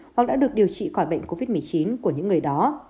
hoặc đã được điều trị khỏi bệnh covid một mươi chín của những người đó